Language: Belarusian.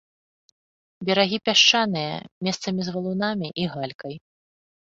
Берагі пясчаныя, месцамі з валунамі і галькай.